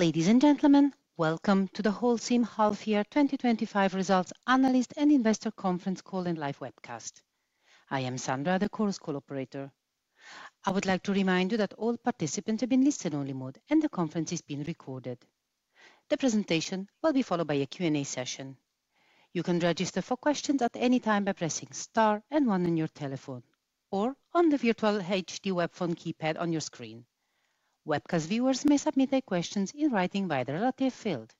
Ladies and gentlemen, welcome to the Holcim Half-Year 2025 results analyst and investor conference call and live webcast. I am Sandra, the Course Co-operator. I would like to remind you that all participants have been listen-only mode, and the conference is being recorded. The presentation will be followed by a Q&A session. You can register for questions at any time by pressing star and one on your telephone, or on the virtual HD webphone keypad on your screen. Webcast viewers may submit their questions in writing via the relevant field.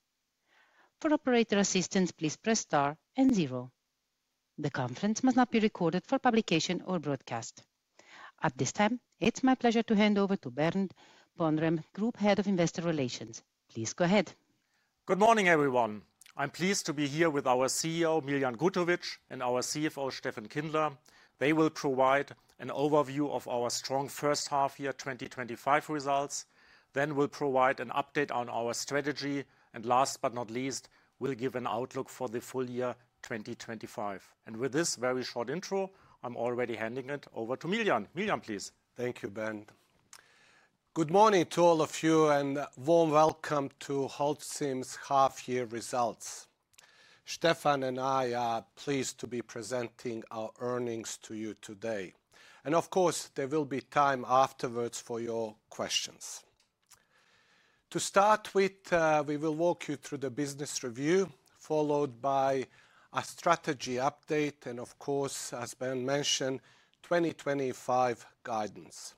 For operator assistance, please press star and zero. The conference must not be recorded for publication or broadcast. At this time, it's my pleasure to hand over to Bernd Pomrehn, Group Head of Investor Relations. Please go ahead. Good morning, everyone. I'm pleased to be here with our CEO, Miljan Gutovic, and our CFO, Steffen Kindler. They will provide an overview of our strong first half-year 2025 results, then we'll provide an update on our strategy, and last but not least, we'll give an outlook for the full year 2025. With this very short intro, I'm already handing it over to Miljan. Miljan, please. Thank you, Bernd. Good morning to all of you and a warm welcome to Holcim's half-year results. Steffen and I are pleased to be presenting our earnings to you today. Of course, there will be time afterwards for your questions. To start with, we will walk you through the business review, followed by a strategy update, and of course, as Bernd mentioned, 2025 guidance.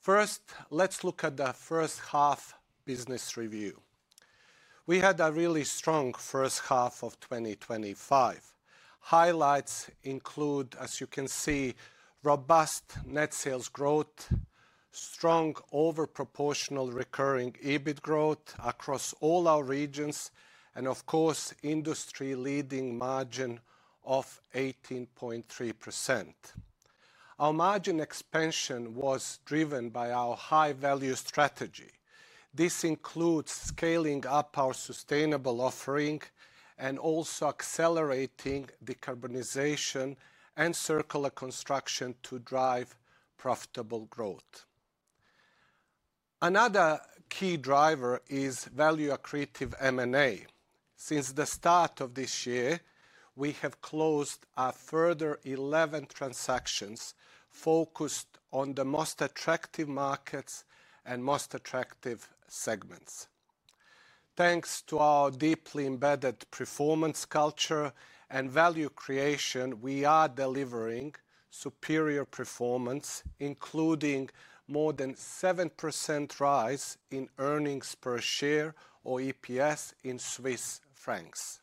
First, let's look at the first half business review. We had a really strong first half of 2025. Highlights include, as you can see, robust net sales growth, strong overproportional recurring EBIT growth across all our regions, and industry-leading margin of 18.3%. Our margin expansion was driven by our high-value strategy. This includes scaling up our sustainable offering and also accelerating decarbonization and circular construction to drive profitable growth. Another key driver is value-accretive M&A. Since the start of this year, we have closed a further 11 transactions focused on the most attractive markets and most attractive segments. Thanks to our deeply embedded performance culture and value creation, we are delivering superior performance, including more than 7% rise in earnings per share, or EPS, in Swiss francs.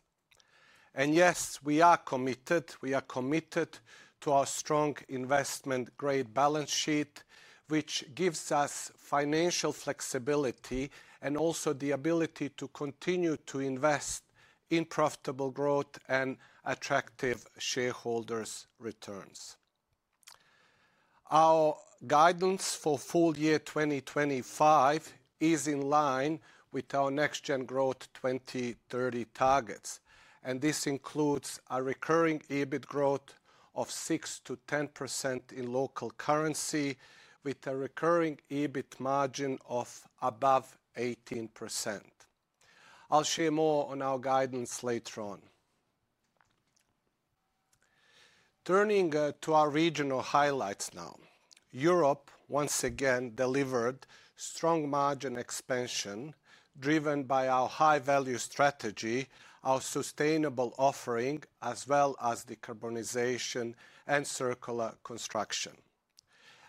Yes, we are committed. We are committed to our strong investment-grade balance sheet, which gives us financial flexibility and also the ability to continue to invest in profitable growth and attractive shareholders' returns. Our guidance for full year 2025 is in line with our Next-Gen Growth 2030 targets, and this includes a recurring EBIT growth of 6%-10% in local currency, with a recurring EBIT margin of above 18%. I'll share more on our guidance later on. Turning to our regional highlights now. Europe, once again, delivered strong margin expansion driven by our high-value strategy, our sustainable offering, as well as decarbonization and circular construction.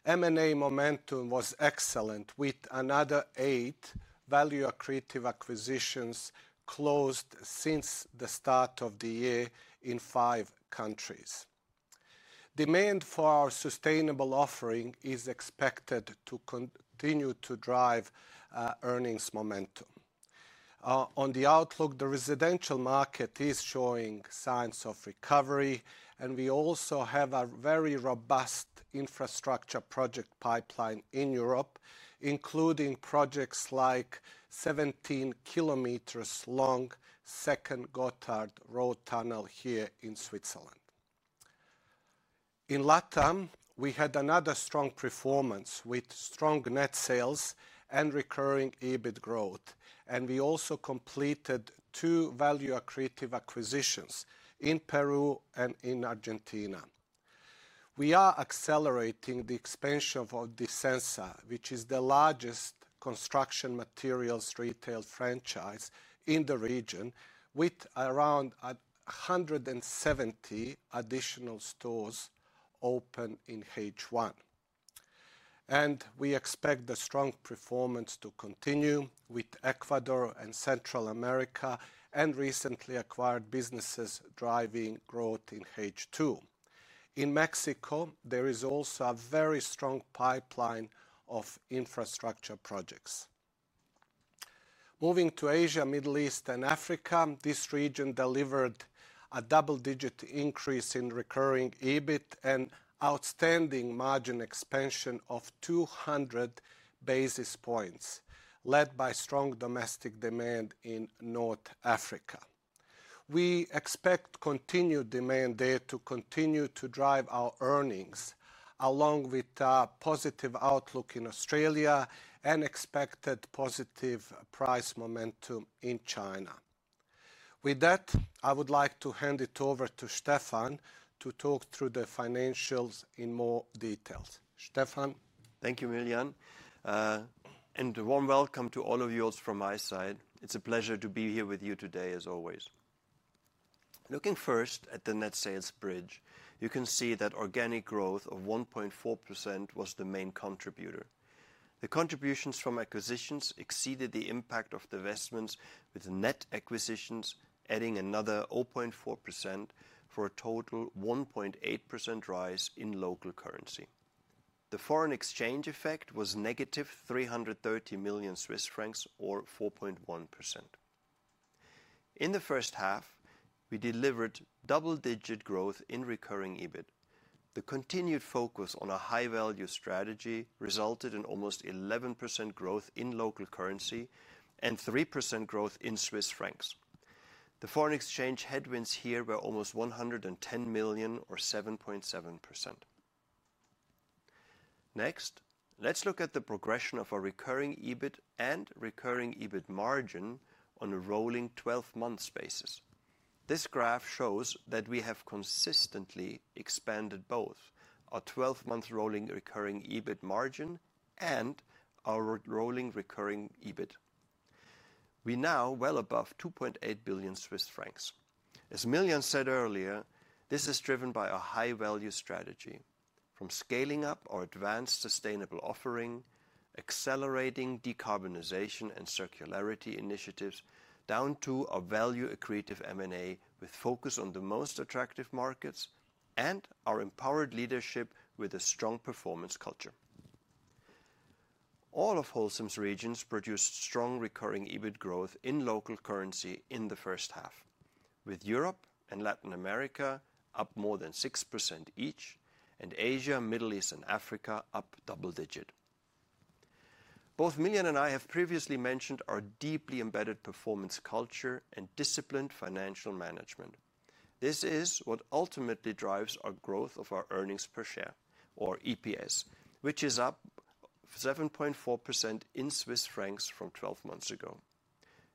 M&A momentum was excellent, with another eight value-accretive acquisitions closed since the start of the year in five countries. Demand for our sustainable offering is expected to continue to drive earnings momentum. On the outlook, the residential market is showing signs of recovery, and we also have a very robust infrastructure project pipeline in Europe, including projects like a 17-km-long second Gotthard Road Tunnel here in Switzerland. In Latin America, we had another strong performance with strong net sales and recurring EBIT growth, and we also completed two value-accretive acquisitions in Peru and in Argentina. We are accelerating the expansion of Disensa, which is the largest construction materials retail franchise in the region, with around 170 additional stores open in H1. We expect the strong performance to continue with Ecuador and Central America, and recently acquired businesses driving growth in H2. In Mexico, there is also a very strong pipeline of infrastructure projects. Moving to Asia, the Middle East, and Africa, this region delivered a double-digit increase in recurring EBIT and outstanding margin expansion of 200 basis points, led by strong domestic demand in North Africa. We expect continued demand there to continue to drive our earnings, along with a positive outlook in Australia and expected positive price momentum in China. With that, I would like to hand it over to Steffen to talk through the financials in more detail. Steffen. Thank you, Miljan. A warm welcome to all of you from my side. It's a pleasure to be here with you today, as always. Looking first at the net sales bridge, you can see that organic growth of 1.4% was the main contributor. The contributions from acquisitions exceeded the impact of the investments, with net acquisitions adding another 0.4% for a total 1.8% rise in local currency. The foreign exchange effect was negative 330 million Swiss francs, or 4.1%. In the first half, we delivered double-digit growth in recurring EBIT. The continued focus on a high-value strategy resulted in almost 11% growth in local currency and 3% growth in Swiss francs. The foreign exchange headwinds here were almost 110 million, or 7.7%. Next, let's look at the progression of our recurring EBIT and recurring EBIT margin on a rolling 12-month basis. This graph shows that we have consistently expanded both our 12-month rolling recurring EBIT margin and our rolling recurring EBIT. We are now well above 2.8 billion Swiss francs. As Miljan said earlier, this is driven by our high-value strategy, from scaling up our advanced sustainable offering, accelerating decarbonization and circularity initiatives, down to our value-accretive M&A with focus on the most attractive markets and our empowered leadership with a strong performance culture. All of Holcim's regions produced strong recurring EBIT growth in local currency in the first half, with Europe and Latin America up more than 6% each, and Asia, Middle East, and Africa up double-digit. Both Miljan and I have previously mentioned our deeply embedded performance culture and disciplined financial management. This is what ultimately drives our growth of our earnings per share, or EPS, which is up 7.4% in Swiss francs from 12 months ago.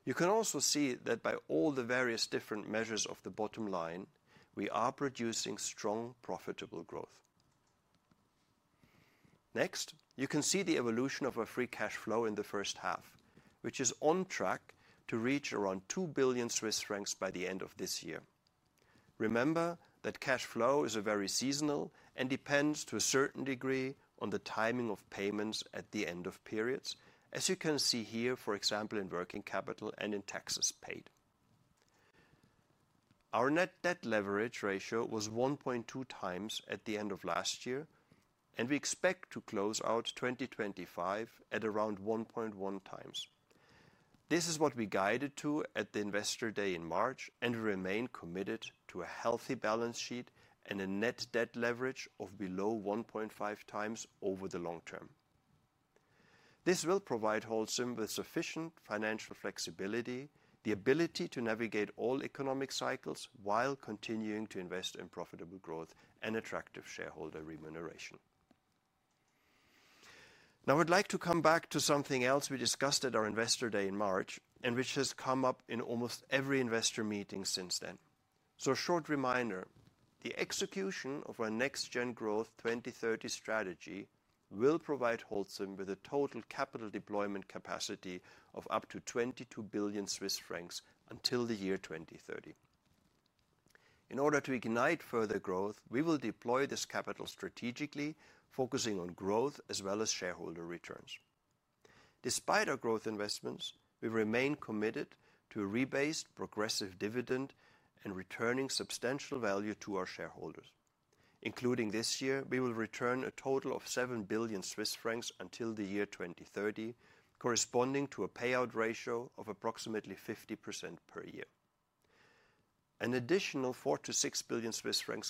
You can also see that by all the various different measures of the bottom line, we are producing strong, profitable growth. Next, you can see the evolution of our free cash flow in the first half, which is on track to reach around 2 billion Swiss francs by the end of this year. Remember that cash flow is very seasonal and depends to a certain degree on the timing of payments at the end of periods, as you can see here, for example, in working capital and in taxes paid. Our net debt leverage ratio was 1.2x at the end of last year, and we expect to close out 2025 at around 1.1 times. This is what we guided to at the investor day in March, and we remain committed to a healthy balance sheet and a net debt leverage of below 1.5x over the long term. This will provide Holcim with sufficient financial flexibility, the ability to navigate all economic cycles while continuing to invest in profitable growth and attractive shareholder remuneration. I would like to come back to something else we discussed at our investor day in March, and which has come up in almost every investor meeting since then. A short reminder: the execution of our Next-Gen Growth 2030 strategy will provide Holcim with a total capital deployment capacity of up to 22 billion Swiss francs until the year 2030. In order to ignite further growth, we will deploy this capital strategically, focusing on growth as well as shareholder returns. Despite our growth investments, we remain committed to a rebased, progressive dividend and returning substantial value to our shareholders. Including this year, we will return a total of 7 billion Swiss francs until the year 2030, corresponding to a payout ratio of approximately 50% per year. An additional 4 to 6 billion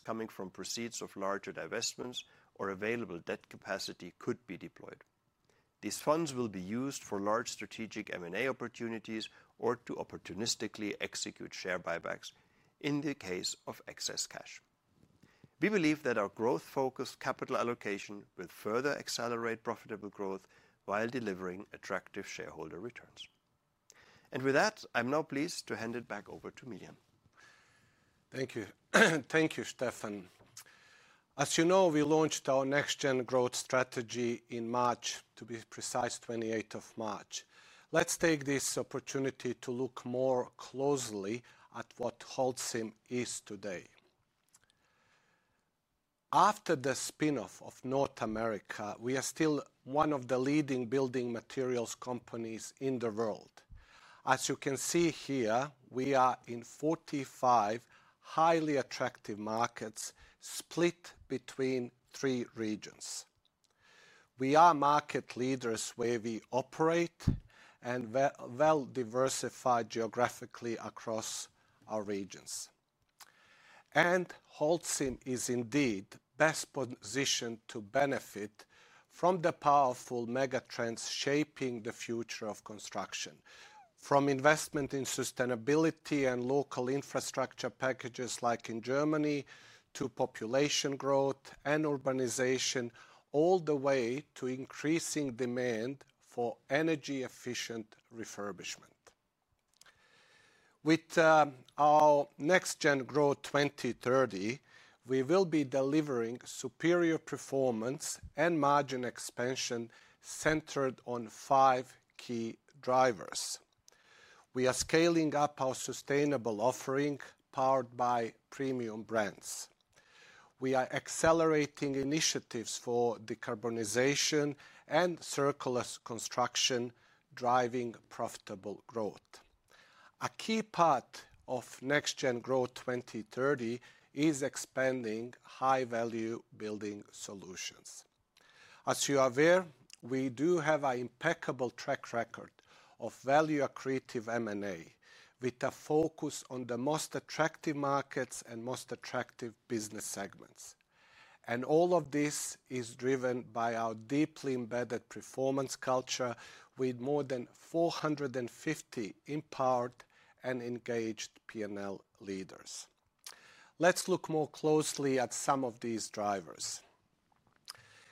coming from proceeds of larger divestments or available debt capacity could be deployed. These funds will be used for large strategic M&A opportunities or to opportunistically execute share buybacks in the case of excess cash. We believe that our growth-focused capital allocation will further accelerate profitable growth while delivering attractive shareholder returns. With that, I'm now pleased to hand it back over to Miljan. Thank you. Thank you, Steffen. As you know, we launched our next-gen growth strategy in March, to be precise, the 28th of March. Let's take this opportunity to look more closely at what Holcim is today. After the spin-off of North America, we are still one of the leading building materials companies in the world. As you can see here, we are in 45 highly attractive markets split between three regions. We are market leaders where we operate and well-diversified geographically across our regions. Holcim is indeed best positioned to benefit from the powerful megatrends shaping the future of construction, from investment in sustainability and local infrastructure packages like in Germany to population growth and urbanization, all the way to increasing demand for energy-efficient refurbishment. With our Next-Gen Growth 2030, we will be delivering superior performance and margin expansion centered on five key drivers. We are scaling up our sustainable offering powered by premium brands. We are accelerating initiatives for decarbonization and circular construction, driving profitable growth. A key part of Next-Gen Growth 2030 is expanding high-value building solutions. As you are aware, we do have an impeccable track record of value-accretive M&A with a focus on the most attractive markets and most attractive business segments. All of this is driven by our deeply embedded performance culture with more than 450 empowered and engaged P&L leaders. Let's look more closely at some of these drivers.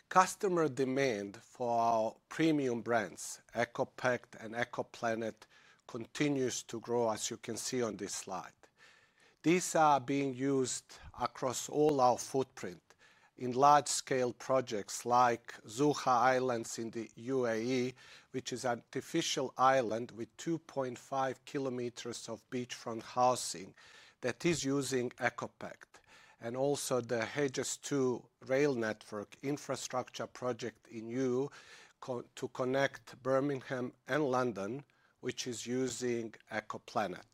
Customer demand for our premium brands, ECOPact and ECOPlanet, continues to grow, as you can see on this slide. These are being used across all our footprint in large-scale projects like Zuha Islands in the UAE, which is an artificial island with 2.5 km of beachfront housing that is using ECOPact, and also the Hedges II rail network infrastructure project in EU to connect Birmingham and London, which is using ECOPlanet.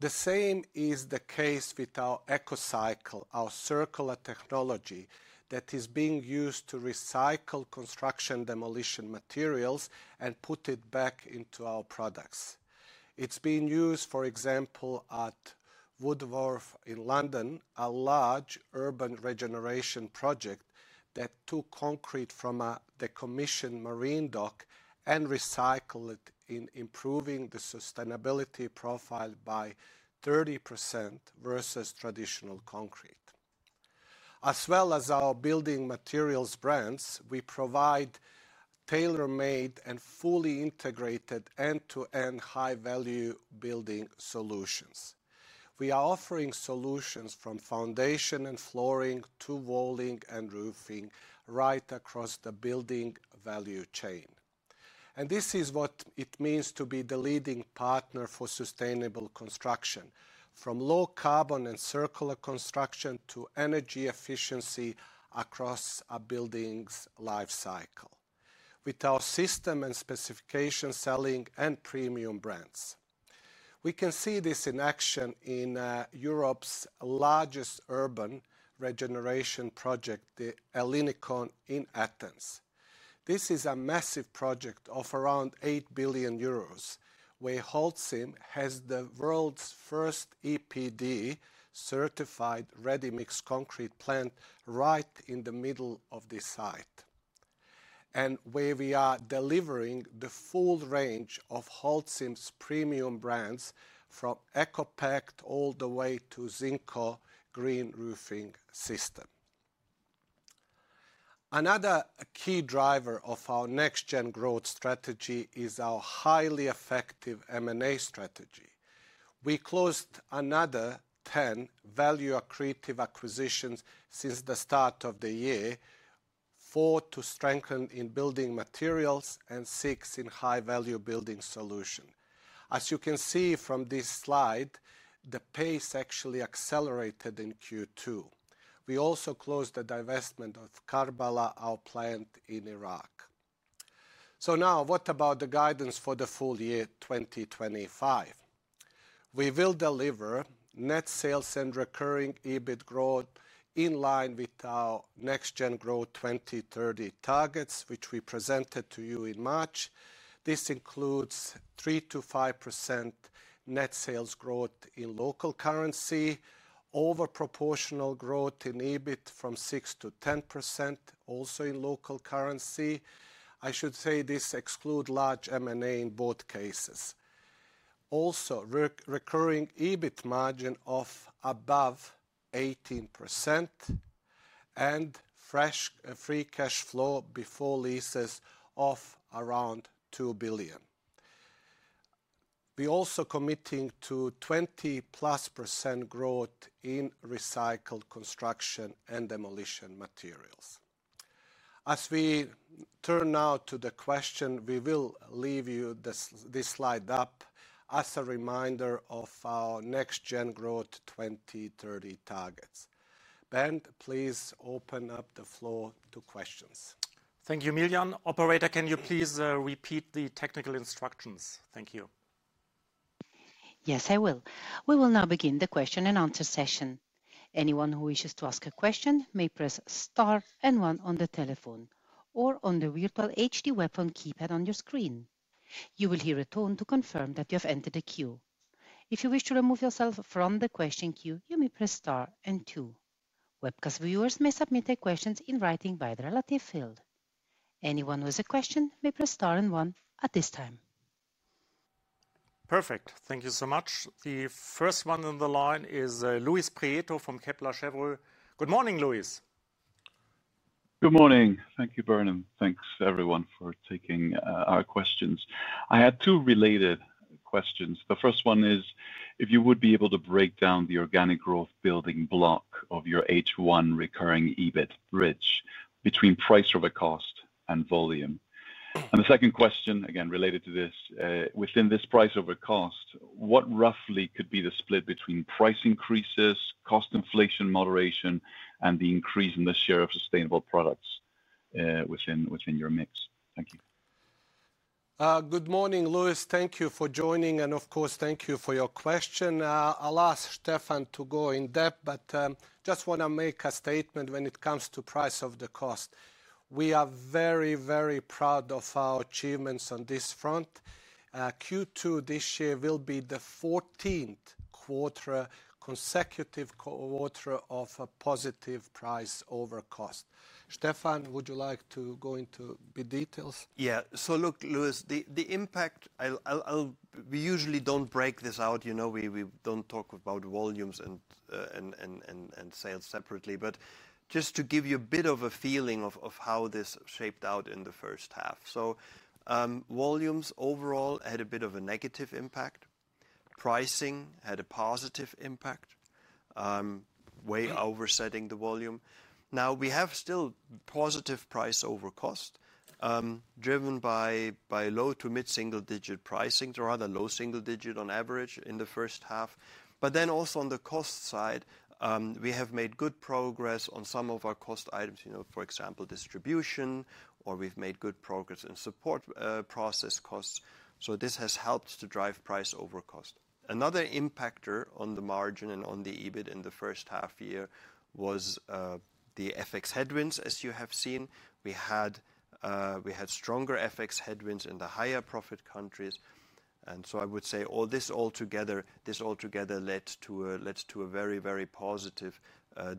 The same is the case with our ECOCycle, our circular technology that is being used to recycle construction demolition materials and put it back into our products. It's been used, for example, at Wood Wharf in London, a large urban regeneration project that took concrete from a decommissioned marine dock and recycled it, improving the sustainability profile by 30% versus traditional concrete. As well as our building materials brands, we provide tailor-made and fully integrated end-to-end high-value building solutions. We are offering solutions from foundation and flooring to walling and roofing right across the building value chain. This is what it means to be the leading partner for sustainable construction, from low carbon and circular construction to energy efficiency across a building's lifecycle, with our system and specification selling and premium brands. We can see this in action in Europe's largest urban regeneration project, the Ellinikon, in Athens. This is a massive project of around €8 billion, where Holcim has the world's first EPD-certified ready-mix concrete plant right in the middle of the site, and where we are delivering the full range of Holcim's premium brands from ECOPact all the way to ZinCo green roofing system. Another key driver of our next-gen growth strategy is our highly effective M&A strategy. We closed another 10 value-accretive acquisitions since the start of the year, four to strengthen in building materials and six in high-value building solution. As you can see from this slide, the pace actually accelerated in Q2. We also closed the divestment of Karbala, our plant in Iraq. Now, what about the guidance for the full year 2025? We will deliver net sales and recurring EBIT growth in line with our Next-Gen Growth 2030 targets, which we presented to you in March. This includes 3% to 5% net sales growth in local currency, overproportional growth in EBIT from 6% to 10%, also in local currency. I should say this excludes large M&A in both cases. Also, recurring EBIT margin of above 18%, and fresh free cash flow before leases of around €2 billion. We are also committing to 20% plus growth in recycled construction and demolition materials. As we turn now to the question, we will leave you this slide up as a reminder of our Next-Gen Growth 2030 targets. Bern, please open up the floor to questions. Thank you, Miljan. Operator, can you please repeat the technical instructions? Thank you. Yes, I will. We will now begin the question and answer session. Anyone who wishes to ask a question may press Star and one on the telephone or on the virtual HD webphone keypad on your screen. You will hear a tone to confirm that you have entered a queue. If you wish to remove yourself from the question queue, you may press Star and two. Webcast viewers may submit their questions in writing by the relevant field. Anyone with a question may press Star and one at this time. Perfect. Thank you so much. The first one on the line is Luis Prieto from Kepler Cheuvreux. Good morning, Luis. Good morning. Thank you, Bernd. Thank you, everyone, for taking our questions. I had two related questions. The first one is if you would be able to break down the organic growth building block of your H1 recurring EBIT bridge between price-over-cost and volume. The second question, again related to this, within this price-over-cost, what roughly could be the split between price increases, cost inflation moderation, and the increase in the share of sustainable products within your mix? Thank you. Good morning, Luis. Thank you for joining. Of course, thank you for your question. I'll ask Steffen to go in depth, but I just want to make a statement when it comes to price-over-cost. We are very, very proud of our achievements on this front. Q2 this year will be the 14th consecutive quarter of a positive price-over-cost. Steffen, would you like to go into the details? Yeah. Look, Luis, the impact, we usually don't break this out. You know, we don't talk about volumes and sales separately. Just to give you a bit of a feeling of how this shaped out in the first half, volumes overall had a bit of a negative impact. Pricing had a positive impact, way oversetting the volume. We have still positive price-over-cost momentum, driven by low to mid single-digit pricing, or rather low single digit on average in the first half. Also, on the cost side, we have made good progress on some of our cost items, for example, distribution, or we've made good progress in support process costs. This has helped to drive price-over-cost. Another impactor on the margin and on the EBIT in the first half year was the FX headwinds, as you have seen. We had stronger FX headwinds in the higher profit countries. I would say this altogether led to a very, very positive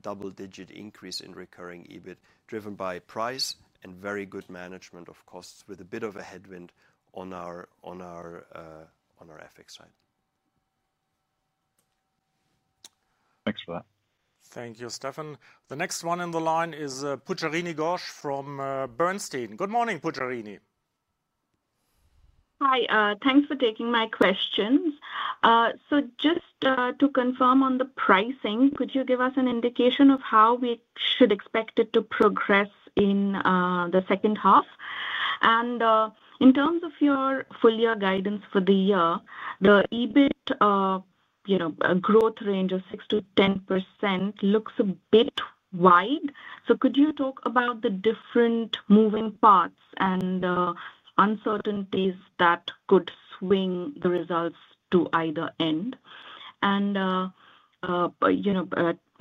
double-digit increase in recurring EBIT, driven by price and very good management of costs with a bit of a headwind on our FX side. Thanks for that. Thank you, Steffen. The next one on the line is Pujarini Ghosh from Bernstein. Good morning, Pujarini. Hi. Thanks for taking my questions. Just to confirm on the pricing, could you give us an indication of how we should expect it to progress in the second half? In terms of your full year guidance for the year, the EBIT growth range of 6% to 10% looks a bit wide. Could you talk about the different moving parts and uncertainties that could swing the results to either end?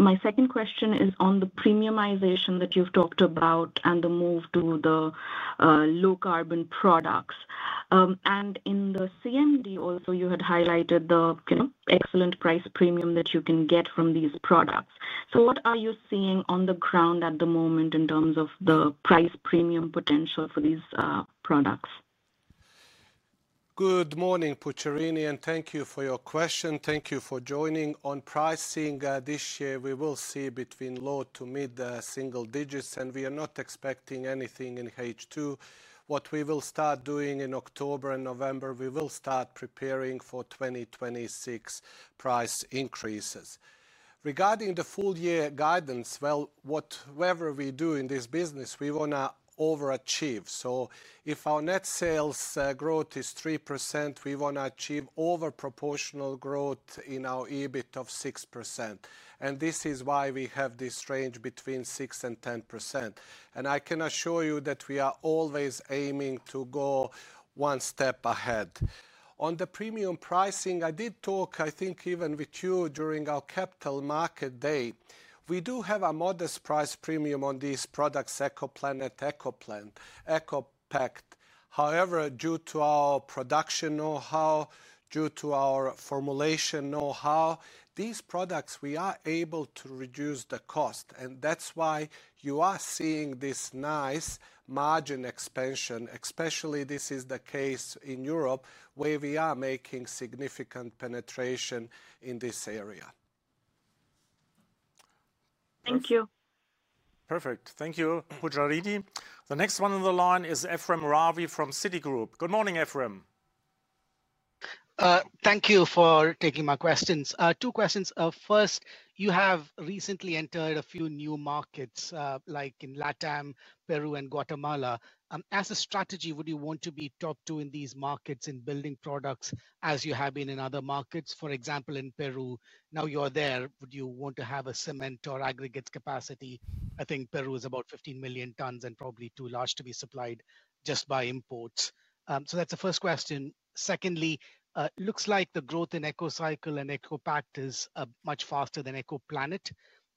My second question is on the premiumization that you've talked about and the move to the low carbon products. In the CMD, you had also highlighted the excellent price premium that you can get from these products. What are you seeing on the ground at the moment in terms of the price premium potential for these products? Good morning, Pujarini. And thank you for your question. Thank you for joining. On pricing this year, we will see between low to mid single digits. We are not expecting anything in H2. What we will start doing in October and November, we will start preparing for 2026 price increases. Regarding the full year guidance, whatever we do in this business, we want to overachieve. If our net sales growth is 3%, we want to achieve overproportional growth in our EBIT of 6%. This is why we have this range between 6% and 10%. I can assure you that we are always aiming to go one step ahead. On the premium pricing, I did talk, I think, even with you during our capital market day. We do have a modest price premium on these products, ECOPlanet, ECOPact. However, due to our production know-how, due to our formulation know-how, these products, we are able to reduce the cost. That's why you are seeing this nice margin expansion, especially this is the case in Europe, where we are making significant penetration in this area. Thank you. Perfect. Thank you, Pujarini. The next one on the line is Ephrem Ravi from Citigroup. Good morning, Ephrem. Thank you for taking my questions. Two questions. First, you have recently entered a few new markets, like in Latin America, Peru, and Guatemala. As a strategy, would you want to be top two in these markets in building products as you have been in other markets? For example, in Peru, now you are there, would you want to have a cement or aggregates capacity? I think Peru is about 15 million tons and probably too large to be supplied just by imports. That's the first question. Secondly, it looks like the growth in ECOCycle and ECOPact is much faster than ECOPlanet.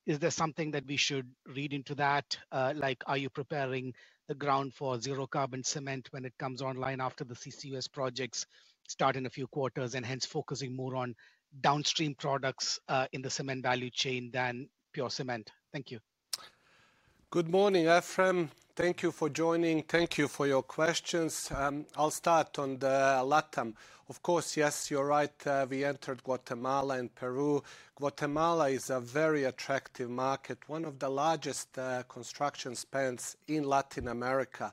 Is there something that we should read into that? Like, are you preparing the ground for zero carbon cement when it comes online after the CCUS projects start in a few quarters, and hence focusing more on downstream products in the cement value chain than pure cement? Thank you. Good morning, Ephrem. Thank you for joining. Thank you for your questions. I'll start on the Latam. Of course, yes, you're right. We entered Guatemala and Peru. Guatemala is a very attractive market, one of the largest construction spans in Latin America.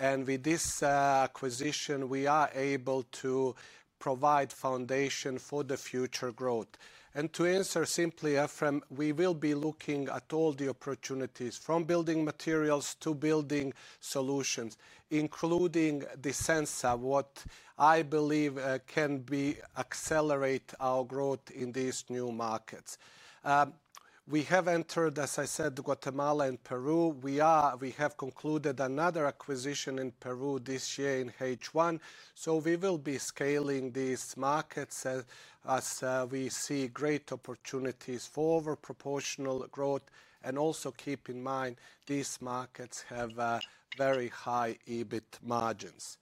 With this acquisition, we are able to provide foundation for the future growth. To answer simply, Ephrem, we will be looking at all the opportunities from building materials to building solutions, including Disensa, which I believe can accelerate our growth in these new markets. We have entered, as I said, Guatemala and Peru. We have concluded another acquisition in Peru this year in H1. We will be scaling these markets as we see great opportunities for overproportional growth. Also keep in mind these markets have very high EBIT margins.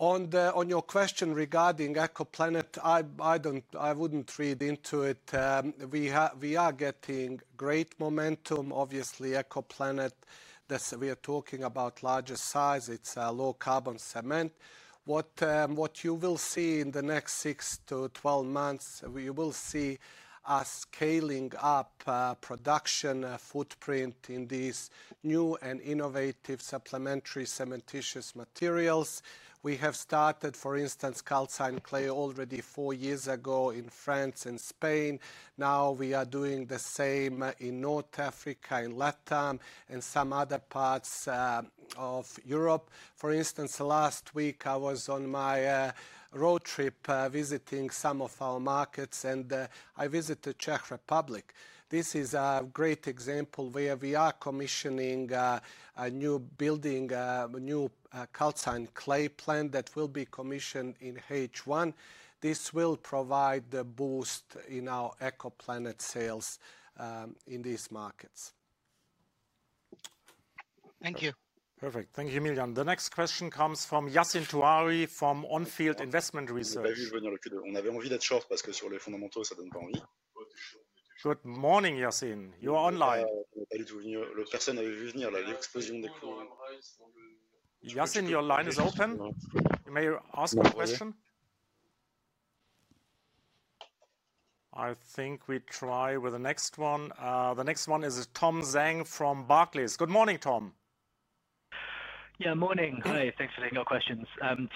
On your question regarding ECOPlanet, I wouldn't read into it. We are getting great momentum. Obviously, ECOPlanet, we are talking about larger size. It's a low-carbon cement. What you will see in the next 6 to 12 months, you will see us scaling up production footprint in these new and innovative supplementary cementitious materials. We have started, for instance, calcined clay already four years ago in France and Spain. Now we are doing the same in North Africa, in Latam, and some other parts of Europe. For instance, last week, I was on my road trip visiting some of our markets, and I visited Czech Republic. This is a great example where we are commissioning a new building, a new calcined clay plant that will be commissioned in H1. This will provide the boost in our ECOPlanet sales in these markets. Thank you. Perfect. Thank you, Miljan. The next question comes from Yassine Touahri from On Field Investment Research. Good morning, Yassine. You're online. Yassine, your line is open. You may ask a question. I think we try with the next one. The next one is Tom Zhang from Barclays. Good morning, Tom. Yeah, morning. Hi. Thanks for taking our questions.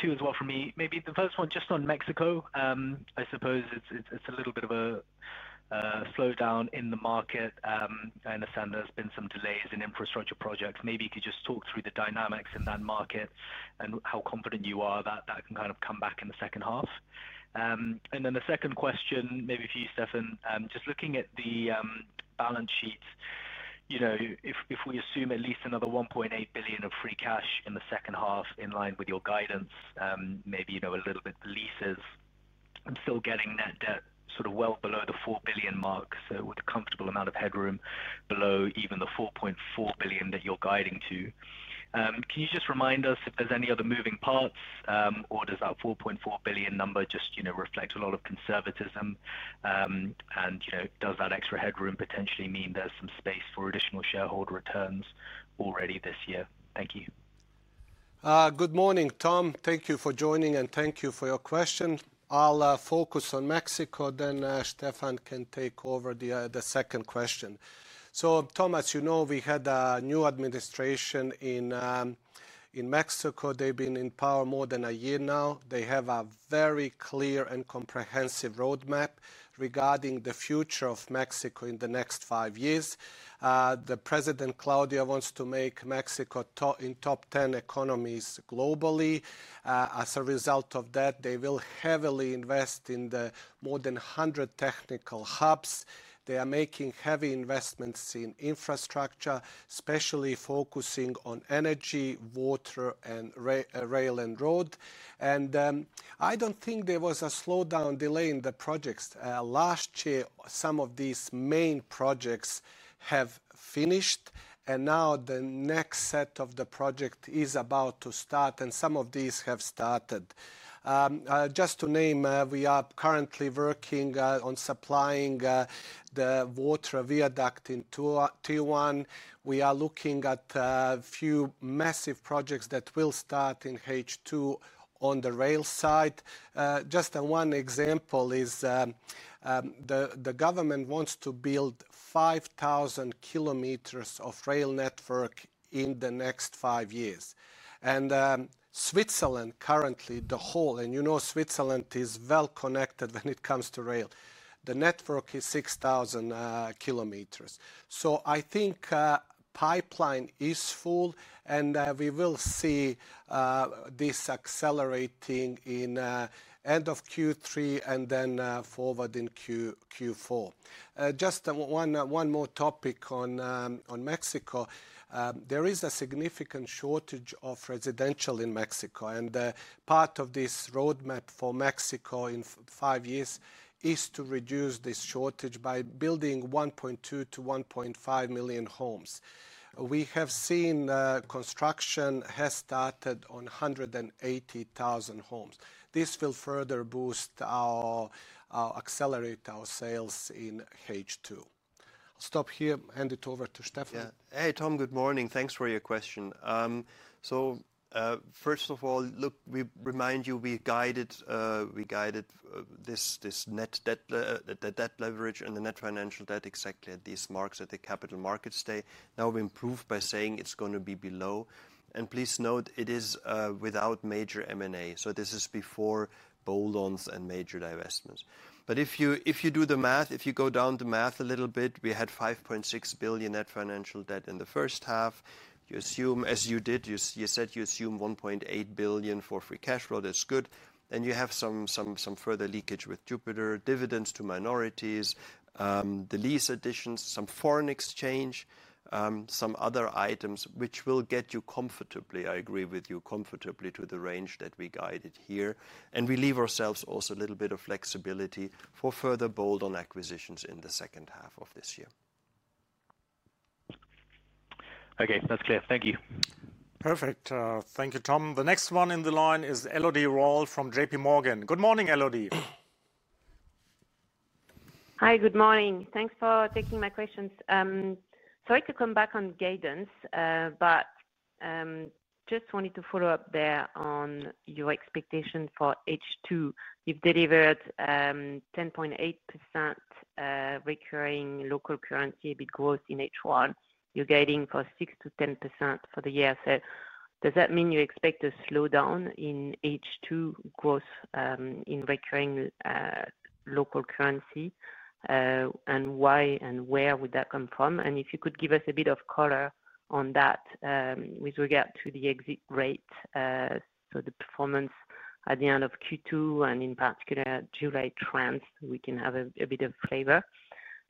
Two as well for me. Maybe the first one just on Mexico. I suppose it's a little bit of a slowdown in the market. I understand there's been some delays in infrastructure projects. Maybe you could just talk through the dynamics in that market and how confident you are that that can kind of come back in the second half. The second question, maybe for you, Steffen, just looking at the balance sheet. If we assume at least another $1.8 billion of free cash in the second half, in line with your guidance, maybe a little bit of leases, I'm still getting net debt sort of well below the $4 billion mark, so with a comfortable amount of headroom below even the $4.4 billion that you're guiding to. Can you just remind us if there's any other moving parts, or does that $4.4 billion number just reflect a lot of conservatism? Does that extra headroom potentially mean there's some space for additional shareholder returns already this year? Thank you. Good morning, Tom. Thank you for joining, and thank you for your question. I'll focus on Mexico. Steffen can take over the second question. Tom, as you know, we had a new administration in Mexico. They've been in power more than a year now. They have a very clear and comprehensive roadmap regarding the future of Mexico in the next five years. The president, Claudia, wants to make Mexico in top 10 economies globally. As a result of that, they will heavily invest in the more than 100 technical hubs. They are making heavy investments in infrastructure, especially focusing on energy, water, and rail and road. I don't think there was a slowdown or delay in the projects. Last year, some of these main projects have finished, and now the next set of the project is about to start, and some of these have started. Just to name, we are currently working on supplying the water viaduct in Tijuana. We are looking at a few massive projects that will start in H2 on the rail side. Just one example is the government wants to build 5,000 km of rail network in the next five years. Switzerland currently, the whole, and you know Switzerland is well connected when it comes to rail, the network is 6,000 km. I think the pipeline is full, and we will see this accelerating in end of Q3 and then forward in Q4. Just one more topic on Mexico. There is a significant shortage of residential in Mexico, and part of this roadmap for Mexico in five years is to reduce this shortage by building 1.2 to 1.5 million homes. We have seen construction has started on 180,000 homes. This will further boost our, accelerate our sales in H2. I'll stop here, hand it over to Steffen. Hey, Tom, good morning. Thanks for your question. First of all, look, we remind you, we guided this net debt leverage and the net financial debt exactly at these marks at the Capital Markets Day. Now we improved by saying it's going to be below. Please note, it is without major M&A. This is before bolt-ons and major divestments. If you do the math, if you go down the math a little bit, we had $5.6 billion net financial debt in the first half. You assume, as you did, you said you assume $1.8 billion for free cash flow. That's good. You have some further leakage with Jupiter, dividends to minorities, the lease additions, some foreign exchange, some other items, which will get you comfortably, I agree with you, comfortably to the range that we guided here. We leave ourselves also a little bit of flexibility for further bolt-on acquisitions in the second half of this year. Okay, that's clear. Thank you. Perfect. Thank you, Tom. The next one in the line is Elodie Rall from J.P. Morgan. Good morning, Elodie. Hi, good morning. Thanks for taking my questions. I could come back on guidance, but just wanted to follow up there on your expectation for H2. You've delivered 10.8% recurring local currency growth in H1. You're guiding for 6% to 10% for the year. Does that mean you expect a slowdown in H2 growth in recurring local currency? Why and where would that come from? If you could give us a bit of color on that. With regard to the exit rate, the performance at the end of Q2 and in particular July trends, we can have a bit of flavor.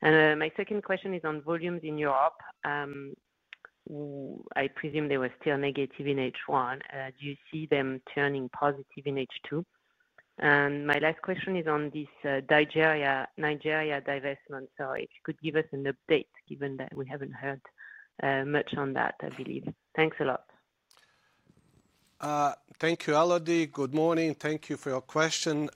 My second question is on volumes in Europe. I presume they were still negative in H1. Do you see them turning positive in H2? My last question is on this Nigeria divestment. If you could give us an update, given that we haven't heard much on that, I believe. Thanks a lot. Thank you, Elodie. Good morning. Thank you for your question.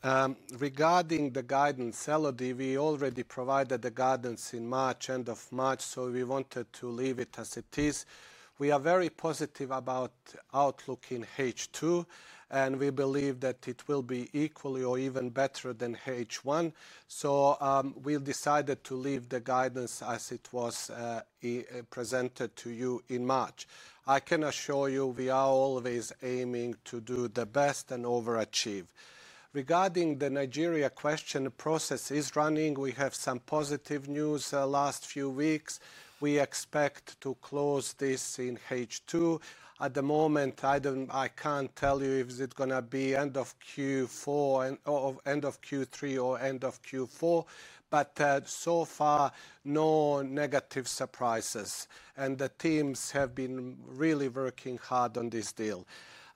Regarding the guidance, Elodie, we already provided the guidance in March, end of March, so we wanted to leave it as it is. We are very positive about outlook in H2, and we believe that it will be equally or even better than H1. We have decided to leave the guidance as it was presented to you in March. I can assure you, we are always aiming to do the best and overachieve. Regarding the Nigeria question, the process is running. We have some positive news last few weeks. We expect to close this in H2. At the moment, I can't tell you if it's going to be end of Q3 or end of Q4, but so far, no negative surprises. The teams have been really working hard on this deal.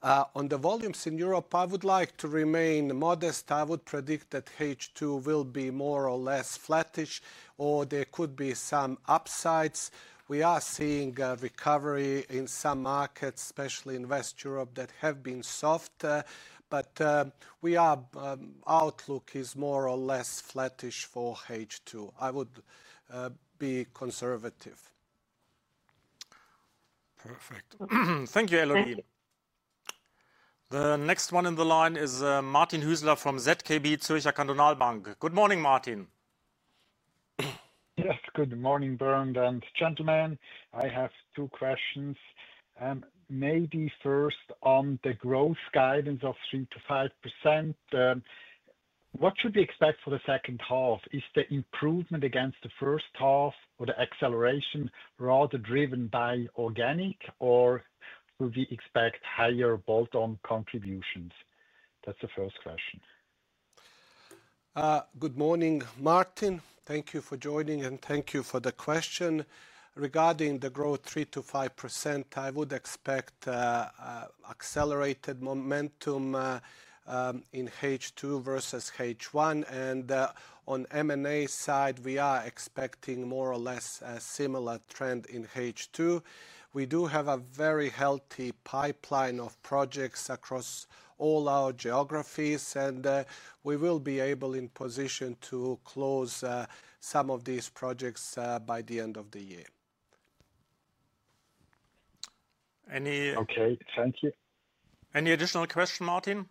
On the volumes in Europe, I would like to remain modest. I would predict that H2 will be more or less flattish, or there could be some upsides. We are seeing a recovery in some markets, especially in West Europe that have been softer, but our outlook is more or less flattish for H2. I would be conservative. Perfect. Thank you, Elodie. The next one in the line is Martin Hüsler from Zürcher Kantonalbank. Good morning, Martin. Yes, good morning, Bernd and gentlemen. I have two questions. Maybe first on the growth guidance of 3 to 5%. What should we expect for the second half? Is the improvement against the first half or the acceleration rather driven by organic, or should we expect higher bolt-on contributions? That's the first question. Good morning, Martin. Thank you for joining, and thank you for the question. Regarding the growth, 3% to 5%, I would expect accelerated momentum in H2 versus H1. On the M&A side, we are expecting more or less a similar trend in H2. We do have a very healthy pipeline of projects across all our geographies, and we will be in position to close some of these projects by the end of the year. Okay, thank you. Any additional question, Martin?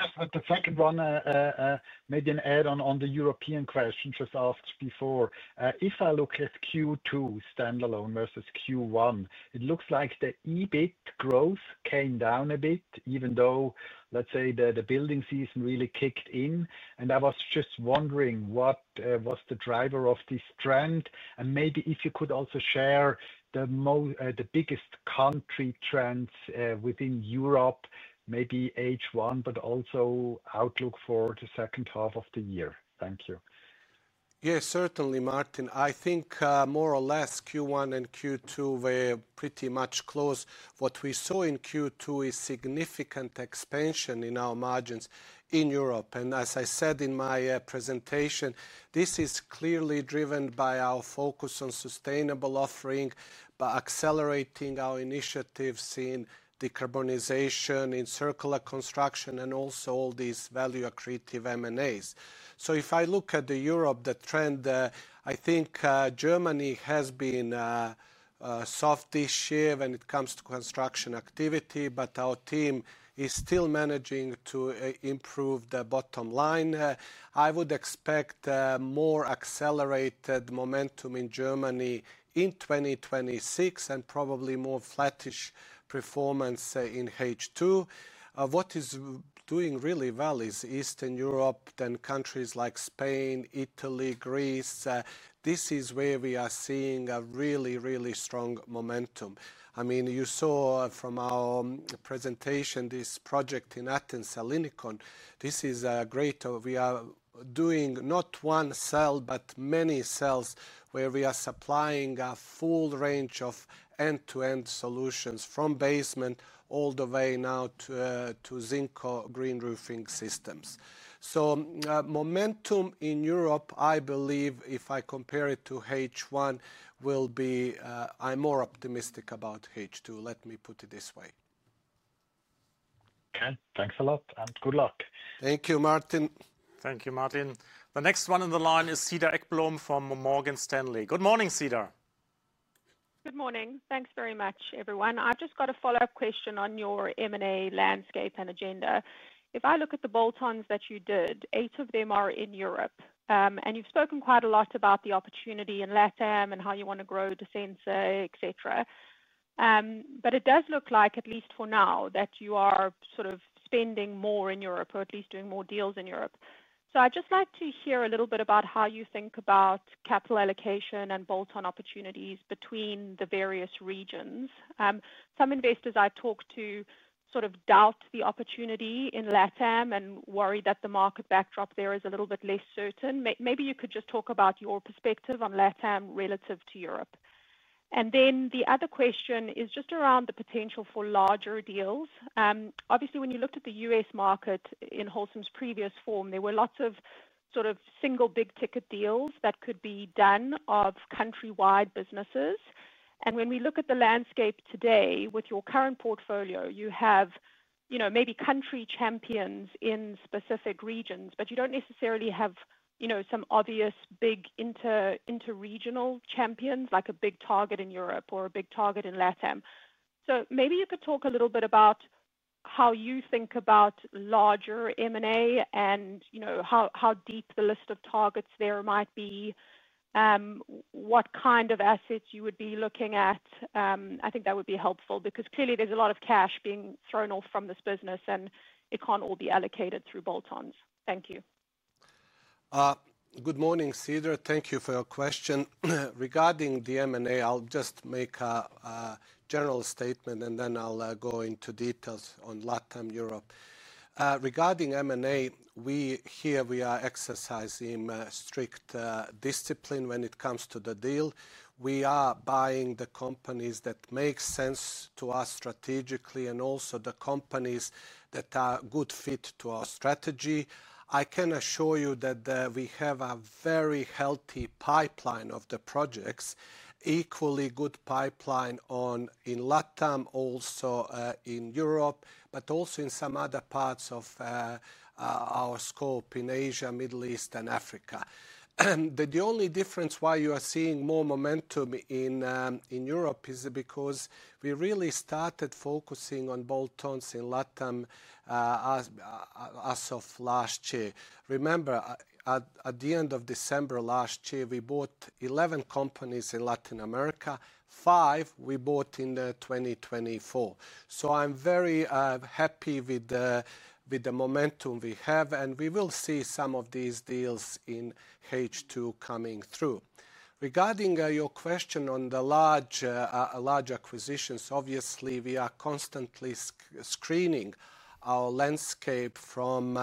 Yes, the second one. Made an add-on on the European question just asked before. If I look at Q2 standalone versus Q1, it looks like the EBIT growth came down a bit, even though, let's say, the building season really kicked in. I was just wondering what was the driver of this trend, and maybe if you could also share the biggest country trends within Europe, maybe H1, but also outlook for the second half of the year. Thank you. Yes, certainly, Martin. I think more or less Q1 and Q2 were pretty much close. What we saw in Q2 is significant expansion in our margins in Europe. As I said in my presentation, this is clearly driven by our focus on sustainable offering, by accelerating our initiatives in decarbonization, in circular construction, and also all these value-accretive M&As. If I look at Europe, the trend, I think Germany has been soft this year when it comes to construction activity, but our team is still managing to improve the bottom line. I would expect more accelerated momentum in Germany in 2026 and probably more flattish performance in H2. What is doing really well is Eastern Europe, then countries like Spain, Italy, Greece. This is where we are seeing a really, really strong momentum. You saw from our presentation this project in Athens, Salinicon. This is great. We are doing not one cell, but many cells where we are supplying a full range of end-to-end solutions from basement all the way now to ZinCo green roofing systems. Momentum in Europe, I believe, if I compare it to H1, will be I'm more optimistic about H2. Let me put it this way. Okay, thanks a lot and good luck. Thank you, Martin. Thank you, Martin. The next one in the line is Cedar Ekblom from Morgan Stanley. Good morning, Cedar. Good morning. Thanks very much, everyone. I've just got a follow-up question on your M&A landscape and agenda. If I look at the bolt-ons that you did, eight of them are in Europe. You've spoken quite a lot about the opportunity in Latin America and how you want to grow the Disensa, etc. It does look like, at least for now, that you are sort of spending more in Europe or at least doing more deals in Europe. I'd just like to hear a little bit about how you think about capital allocation and bolt-on opportunities between the various regions. Some investors I've talked to sort of doubt the opportunity in Latin America and worry that the market backdrop there is a little bit less certain. Maybe you could just talk about your perspective on Latin America relative to Europe. The other question is just around the potential for larger deals. Obviously, when you looked at the U.S. market in Holcim's previous form, there were lots of sort of single big-ticket deals that could be done of countrywide businesses. When we look at the landscape today, with your current portfolio, you have maybe country champions in specific regions, but you don't necessarily have some obvious big interregional champions, like a big target in Europe or a big target in Latin America. Maybe you could talk a little bit about how you think about larger M&A and how deep the list of targets there might be. What kind of assets you would be looking at. I think that would be helpful because clearly there's a lot of cash being thrown off from this business and it can't all be allocated through bolt-ons. Thank you. Good morning, Cedar. Thank you for your question. Regarding the M&A, I'll just make a general statement and then I'll go into details on LATAM Europe. Regarding M&A, we here are exercising strict discipline when it comes to the deal. We are buying the companies that make sense to us strategically and also the companies that are a good fit to our strategy. I can assure you that we have a very healthy pipeline of the projects, equally good pipeline in LATAM, also in Europe, but also in some other parts of our scope in Asia, Middle East, and Africa. The only difference why you are seeing more momentum in Europe is because we really started focusing on bolt-ons in LATAM as of last year. Remember, at the end of December last year, we bought 11 companies in Latin America. Five we bought in 2024. I'm very happy with the momentum we have, and we will see some of these deals in H2 coming through. Regarding your question on the large acquisitions, obviously, we are constantly screening our landscape from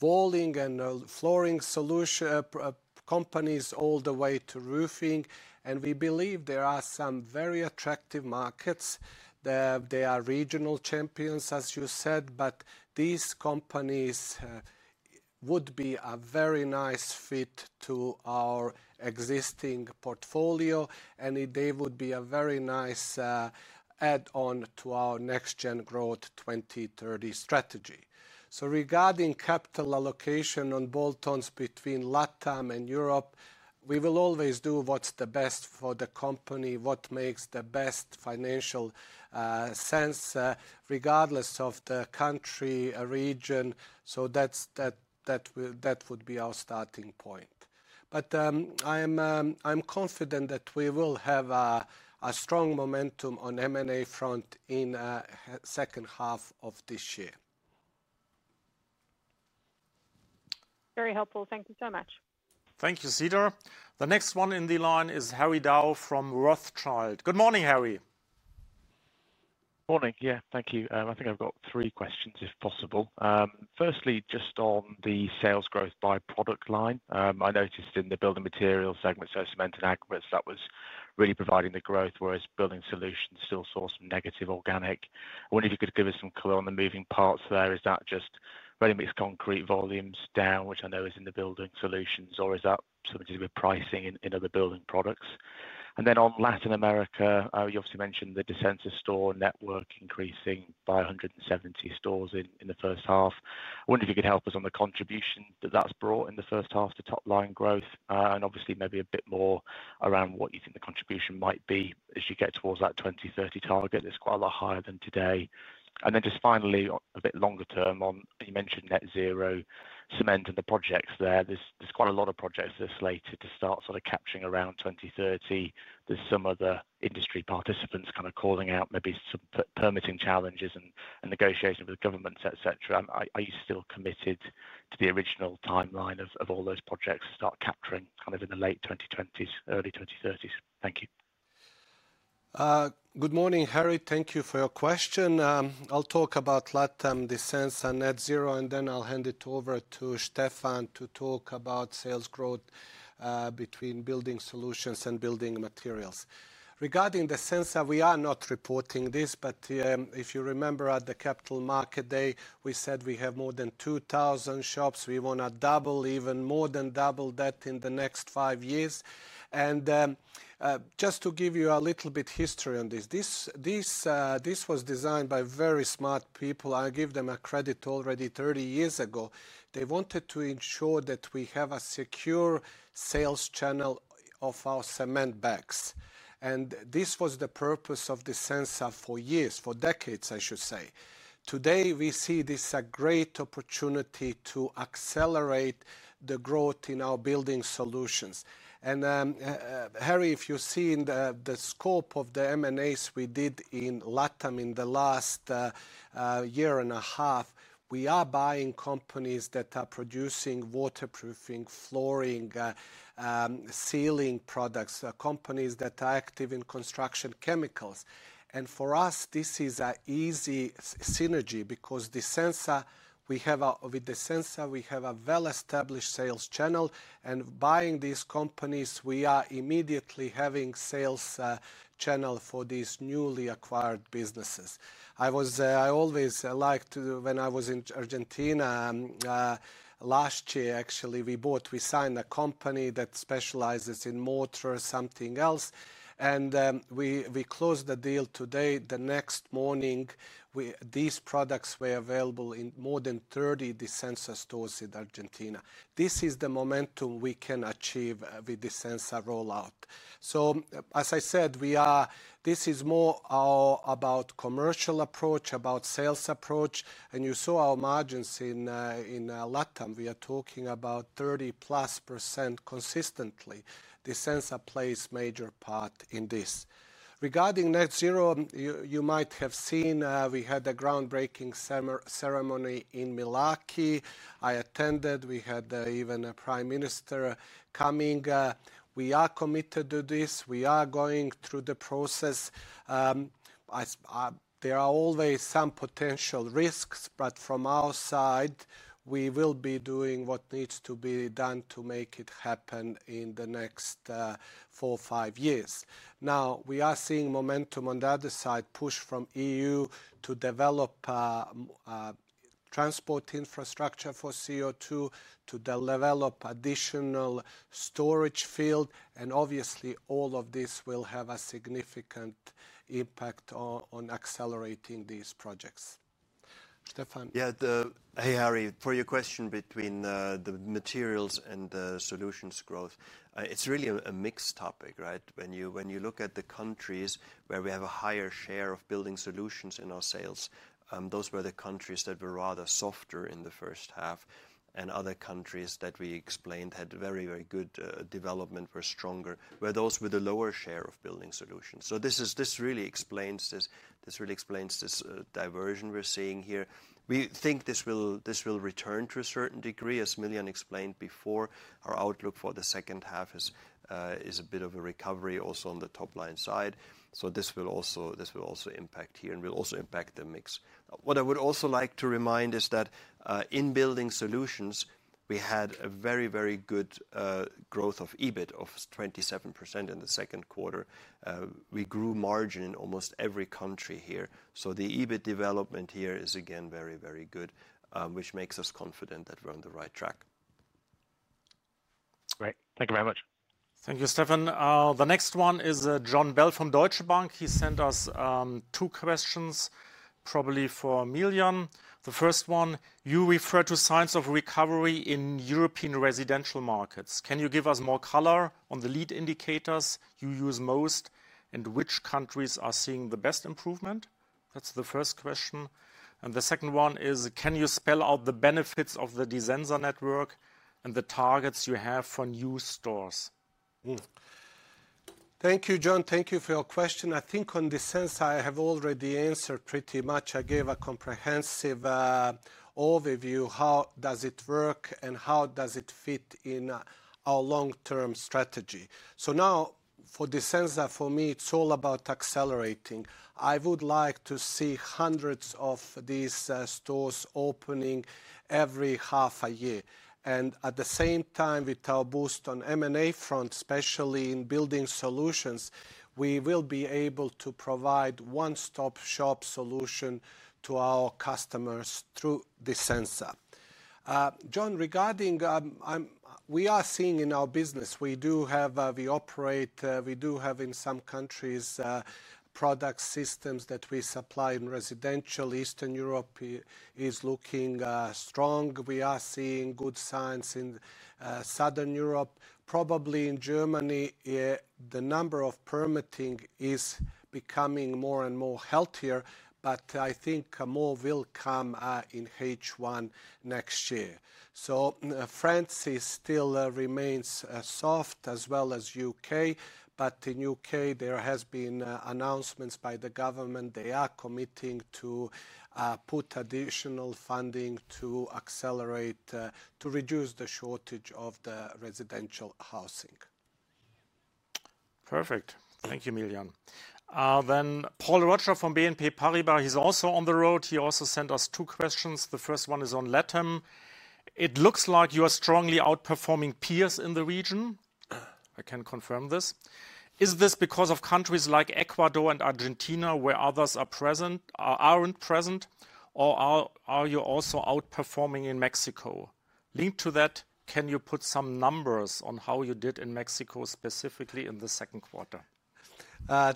walling and flooring companies all the way to roofing. We believe there are some very attractive markets. They are regional champions, as you said, but these companies would be a very nice fit to our existing portfolio, and they would be a very nice add-on to our Next-Gen Growth 2030 strategy. Regarding capital allocation on bolt-ons between LATAM and Europe, we will always do what's the best for the company, what makes the best financial sense regardless of the country, region. That would be our starting point. I'm confident that we will have a strong momentum on M&A front in the second half of this year. Very helpful. Thank you so much. Thank you, Cedar. The next one in the line is Harry Dow from Rothschild. Good morning, Harry. Morning. Thank you. I think I've got three questions, if possible. Firstly, just on the sales growth by product line. I noticed in the building materials segment, so cement and aggregates, that was really providing the growth, whereas building solutions still saw some negative organic. I wonder if you could give us some color on the moving parts there. Is that just really mixed concrete volumes down, which I know is in the building solutions, or is that something to do with pricing in other building products? On Latin America, you obviously mentioned the Disensa store network increasing by 170 stores in the first half. I wonder if you could help us on the contribution that that's brought in the first half to top-line growth, and maybe a bit more around what you think the contribution might be as you get towards that 2030 target. It's quite a lot higher than today. Finally, a bit longer term, you mentioned net zero, cement, and the projects there. There's quite a lot of projects that are slated to start capturing around 2030. Some of the industry participants are calling out maybe some permitting challenges and negotiations with governments, etc. Are you still committed to the original timeline of all those projects to start capturing in the late 2020s, early 2030s? Thank you. Good morning, Harry. Thank you for your question. I'll talk about Latin America, Disensa, and net zero, and then I'll hand it over to Steffen to talk about sales growth between building solutions and building materials. Regarding Disensa, we are not reporting this, but if you remember at the Capital Market Day, we said we have more than 2,000 shops. We want to double, even more than double that in the next five years. Just to give you a little bit of history on this, this was designed by very smart people. I gave them credit already 30 years ago. They wanted to ensure that we have a secure sales channel of our cement bags. This was the purpose of Disensa for years, for decades, I should say. Today, we see this as a great opportunity to accelerate the growth in our building solutions. Harry, if you see in the scope of the M&A we did in Latin America in the last year and a half, we are buying companies that are producing waterproofing, flooring, ceiling products, companies that are active in construction chemicals. For us, this is an easy synergy because we have a well-established sales channel. Buying these companies, we are immediately having a sales channel for these newly acquired businesses. I always liked when I was in Argentina. Last year, actually, we bought, we signed a company that specializes in mortars, something else, and we closed the deal. Today, the next morning, these products were available in more than 30 Disensa stores in Argentina. This is the momentum we can achieve with Disensa rollout. This is more about a commercial approach, about a sales approach. You saw our margins in Latin America. We are talking about 30+% consistently. Disensa plays a major part in this. Regarding net zero, you might have seen we had a groundbreaking ceremony in Milaki. I attended. We had even a Prime Minister coming. We are committed to this. We are going through the process. There are always some potential risks, but from our side, we will be doing what needs to be done to make it happen in the next four or five years. Now, we are seeing momentum on the other side, push from the EU to develop transport infrastructure for CO2, to develop additional storage field, and obviously all of this will have a significant impact on accelerating these projects. Steffen. Yeah, hey, Harry, for your question between the materials and the solutions growth, it's really a mixed topic, right? When you look at the countries where we have a higher share of building solutions in our sales, those were the countries that were rather softer in the first half, and other countries that we explained had very, very good development, were stronger, were those with a lower share of building solutions. This really explains this diversion we're seeing here. We think this will return to a certain degree, as Miljan explained before. Our outlook for the second half is a bit of a recovery also on the top-line side. This will also impact here and will also impact the mix. What I would also like to remind is that in building solutions, we had a very, very good growth of EBIT of 27% in the second quarter. We grew margin in almost every country here. The EBIT development here is again very, very good, which makes us confident that we're on the right track. Great. Thank you very much. Thank you, Steffen. The next one is John Bell from Deutsche Bank. He sent us two questions, probably for Miljan. The first one, you refer to signs of recovery in European residential markets. Can you give us more color on the lead indicators you use most and which countries are seeing the best improvement? That's the first question. The second one is, can you spell out the benefits of the Disensa network and the targets you have for new stores? Thank you, John. Thank you for your question. I think on Disensa, I have already answered pretty much. I gave a comprehensive overview, how does it work and how does it fit in our long-term strategy? For Disensa, for me, it's all about accelerating. I would like to see hundreds of these stores opening every half a year. At the same time, with our boost on M&A front, especially in building solutions, we will be able to provide one-stop shop solution to our customers through Disensa. John, regarding, we are seeing in our business, we do have, we operate, we do have in some countries product systems that we supply in residential. Eastern Europe is looking strong. We are seeing good signs in Southern Europe, probably in Germany. The number of permitting is becoming more and more healthier, but I think more will come in H1 next year. France still remains soft, as well as the UK, but in the UK, there have been announcements by the government. They are committing to put additional funding to accelerate, to reduce the shortage of the residential housing. Perfect. Thank you, Miljan. Paul Rotcher from BNP Paribas is also on the road. He also sent us two questions. The first one is on Latin America. It looks like you are strongly outperforming peers in the region. I can confirm this. Is this because of countries like Ecuador and Argentina where others are not present, or are you also outperforming in Mexico? Linked to that, can you put some numbers on how you did in Mexico specifically in the second quarter?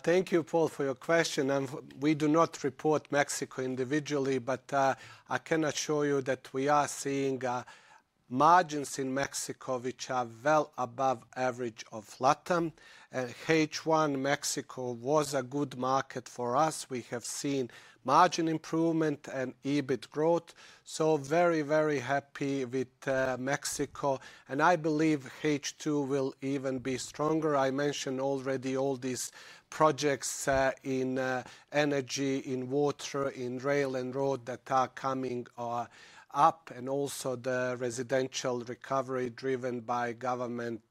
Thank you, Paul, for your question. We do not report Mexico individually, but I can assure you that we are seeing margins in Mexico which are well above the average of Latin America. H1 Mexico was a good market for us. We have seen margin improvement and EBIT growth. Very, very happy with Mexico. I believe H2 will even be stronger. I mentioned already all these projects in energy, in water, in rail and road that are coming up, and also the residential recovery driven by government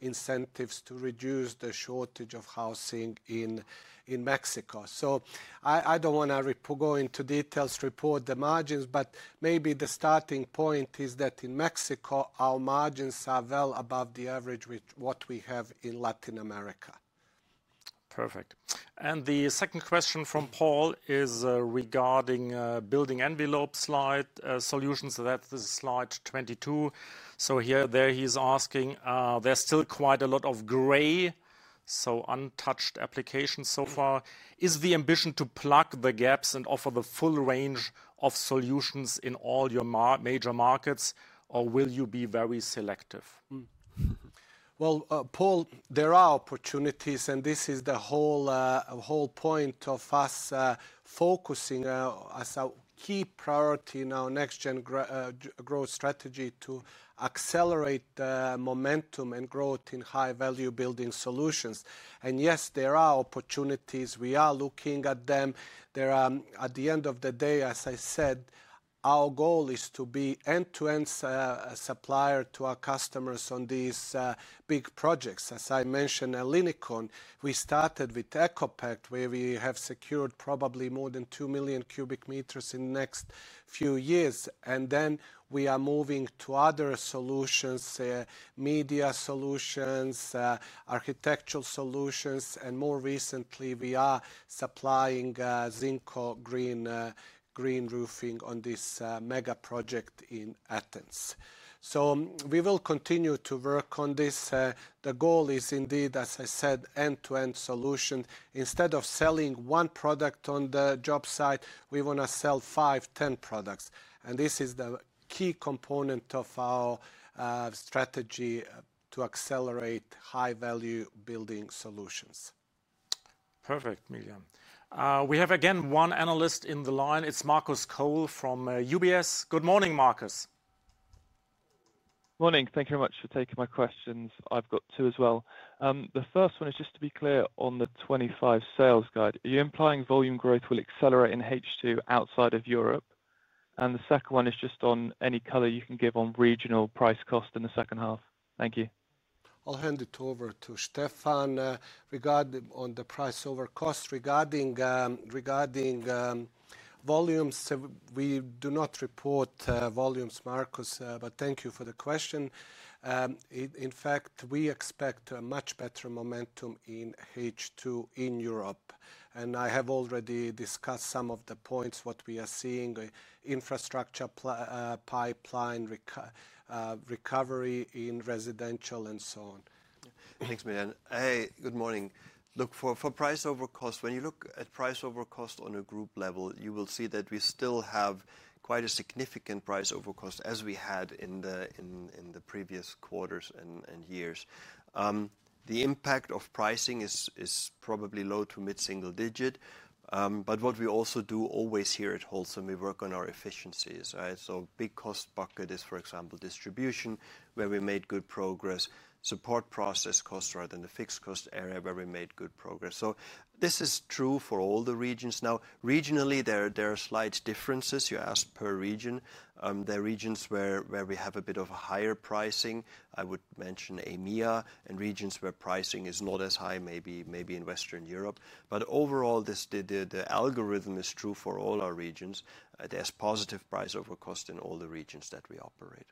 incentives to reduce the shortage of housing in Mexico. I don't want to go into details, report the margins, but maybe the starting point is that in Mexico, our margins are well above the average with what we have in Latin America. Perfect. The second question from Paul is regarding building envelope slide solutions. That's slide 22. Here he's asking, there's still quite a lot of gray, so untouched applications so far. Is the ambition to plug the gaps and offer the full range of solutions in all your major markets, or will you be very selective? Paul, there are opportunities, and this is the whole point of us focusing as a key priority in our next-gen growth strategy to accelerate momentum and growth in high-value building solutions. Yes, there are opportunities. We are looking at them. At the end of the day, as I said, our goal is to be an end-to-end supplier to our customers on these big projects. As I mentioned, at Ellinikon we started with ECOPact, where we have secured probably more than 2 million cubic meters in the next few years. We are moving to other solutions, media solutions, architectural solutions, and more recently, we are supplying ZinCo green roofing on this mega project in Athens. We will continue to work on this. The goal is indeed, as I said, end-to-end solution. Instead of selling one product on the job site, we want to sell five, ten products. This is the key component of our strategy to accelerate high-value building solutions. Perfect, Miljan. We have again one analyst in the line. It's Marcus Cole from UBS. Good morning, Marcus. Good morning. Thank you very much for taking my questions. I've got two as well. The first one is just to be clear on the 2025 sales guide. Are you implying volume growth will accelerate in H2 outside of Europe? The second one is just on any color you can give on regional price-over-cost in the second half. Thank you. I'll hand it over to Steffen on the price-over-cost. Regarding volumes, we do not report volumes, Marcus, but thank you for the question. In fact, we expect a much better momentum in H2 in Europe. I have already discussed some of the points, what we are seeing, infrastructure pipeline, recovery in residential, and so on. Thanks, Miljan. Hey, good morning. Look, for price-over-cost, when you look at price-over-cost on a group level, you will see that we still have quite a significant price-over-cost as we had in the previous quarters and years. The impact of pricing is probably low to mid-single digit. What we also do always here at Holcim, we work on our efficiencies. A big cost bucket is, for example, distribution, where we made good progress. Support process costs rather than the fixed cost area, where we made good progress. This is true for all the regions. Now, regionally, there are slight differences. You asked per region. There are regions where we have a bit of a higher pricing. I would mention EMEA and regions where pricing is not as high, maybe in Western Europe. Overall, the algorithm is true for all our regions. There's positive price-over-cost in all the regions that we operate.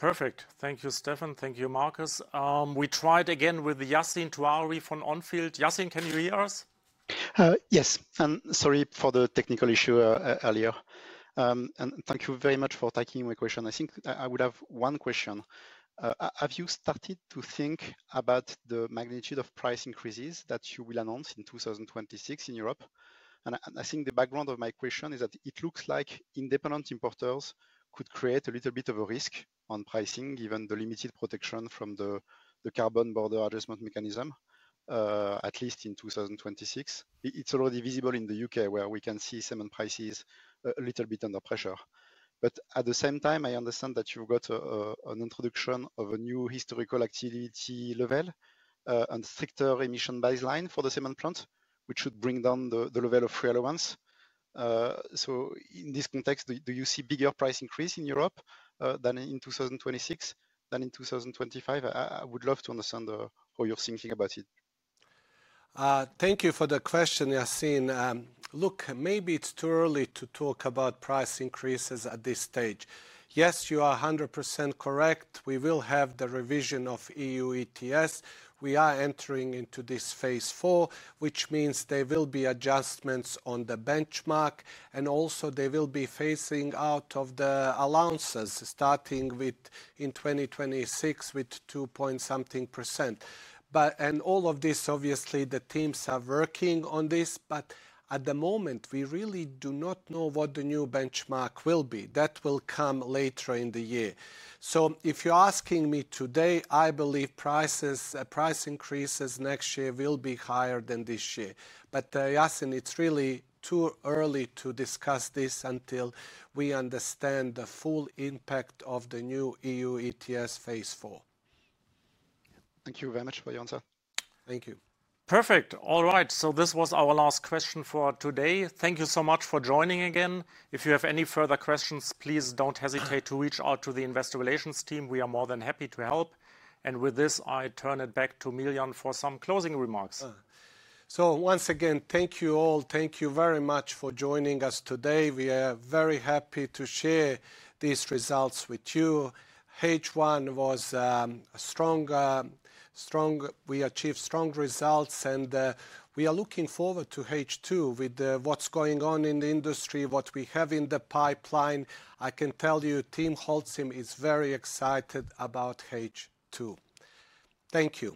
Perfect. Thank you, Steffen. Thank you, Marcus. We try again with Yassine Touahri from On Field Investment Research. Yassine, can you hear us? Yes. Sorry for the technical issue earlier, and thank you very much for taking my question. I think I would have one question. Have you started to think about the magnitude of price increases that you will announce in 2026 in Europe? The background of my question is that it looks like independent importers could create a little bit of a risk on pricing, given the limited protection from the carbon border adjustment mechanism, at least in 2026. It's already visible in the UK, where we can see cement prices a little bit under pressure. At the same time, I understand that you've got an introduction of a new historical activity level and stricter emission baseline for the cement plants, which should bring down the level of free allowance. In this context, do you see a bigger price increase in Europe in 2026 than in 2025? I would love to understand how you're thinking about it. Thank you for the question, Yassine. Look, maybe it's too early to talk about price increases at this stage. Yes, you are 100% correct. We will have the revision of EU ETS. We are entering into this phase four, which means there will be adjustments on the benchmark. There will be phasing out of the allowances starting in 2026 with 2.% something. All of this, obviously, the teams are working on this. At the moment, we really do not know what the new benchmark will be. That will come later in the year. If you're asking me today, I believe price increases next year will be higher than this year. Yassine, it's really too early to discuss this until we understand the full impact of the new EU ETS phase four. Thank you very much for your answer. Thank you. Perfect. All right. This was our last question for today. Thank you so much for joining again. If you have any further questions, please don't hesitate to reach out to the Investor Relations team. We are more than happy to help. With this, I turn it back to Miljan for some closing remarks. Thank you all. Thank you very much for joining us today. We are very happy to share these results with you. H1 was strong. We achieved strong results, and we are looking forward to H2 with what's going on in the industry, what we have in the pipeline. I can tell you, team Holcim is very excited about H2. Thank you.